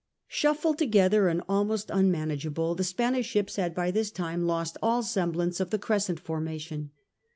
XI THE HOUR OF TRIUMPH 169 Shuffled together, and almost unmanageable, the Spanish ships had by this time lost all semblance of the crescent formation.